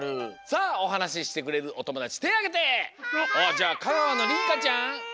じゃあかがわのりんかちゃん。